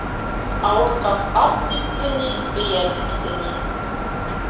Ауыртҡас ат типте ни, бейә типте ни.